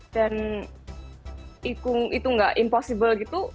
dan itu tidak mungkin